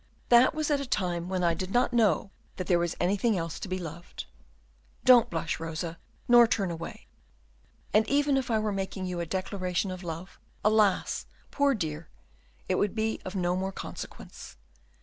That was at a time when I did not know that there was anything else to be loved. Don't blush, Rosa, nor turn away; and even if I were making you a declaration of love, alas! poor dear, it would be of no more consequence.